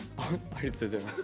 ありがとうございます。